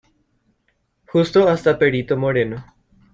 Justo hasta Perito Moreno.